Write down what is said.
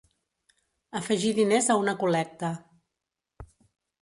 Afegir diners a una col·lecta.